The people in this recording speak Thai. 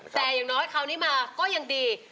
แต่อย่างน้อยคราวนี้มาก็ยังดี